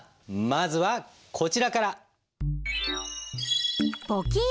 まずはこちらから。